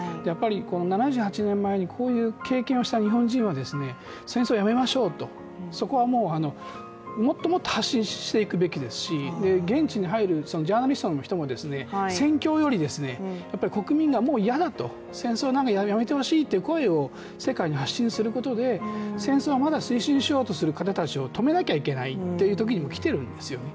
７８年前にこういう経験をした日本人は戦争をやめましょうとそこはもうもっともっと発信していくべきですし現地に入るジャーナリストの人も戦況より、国民がもう嫌だと、戦争なんかやめてほしいという声を世界に発信することで戦争をまだ推進しようとする人たちを止めなきゃいけないというときにも来てるんですよね。